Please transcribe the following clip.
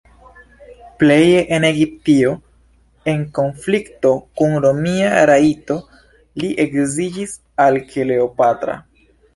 Pleje en Egiptio en konflikto kun romia rajto li edziĝis al Kleopatra.